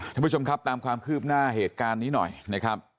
ท่านผู้ชมครับตามความคืบหน้าเหตุการณ์นี้หน่อยนะครับ